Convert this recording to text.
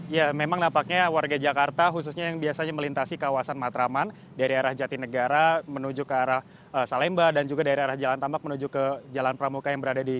ya memang nampaknya warga jakarta khususnya yang biasanya melintasi kawasan matraman dari arah jatinegara menuju ke arah salemba dan juga dari arah jalan tambak menuju ke jalan pramuka yang berada di